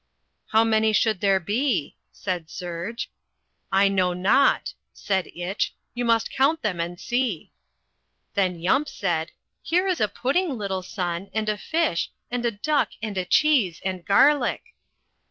"How many should there be?" said Serge. "I know not," said Itch. "You must count them and see." Then Yump said, "Here is a pudding, little son, and a fish, and a duck and a cheese and garlic."